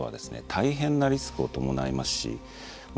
大変なリスクを伴いますしま